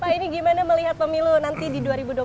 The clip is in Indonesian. pak ini gimana melihat pemilu nanti di dua ribu dua puluh